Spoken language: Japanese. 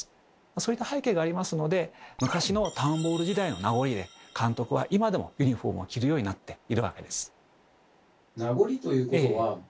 そういった背景がありますので昔のタウン・ボール時代の名残で監督は今でもユニフォームを着るようになっているわけです。